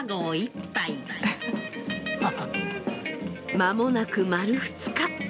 間もなく丸２日。